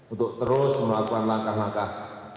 untuk terus melakukan langkah langkah